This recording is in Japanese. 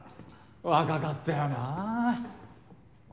若かったよな。